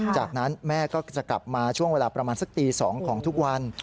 จากนั้นแม่ก็จะกลับมาช่วงเวลาประมาณสักตี๒ของทุกวัน